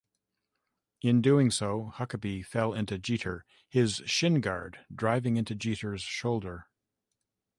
In doing so, Huckaby fell onto Jeter; his shin guard driving into Jeter's shoulder.